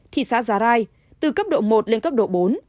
thị xã giá rai từ cấp độ một lên cấp độ bốn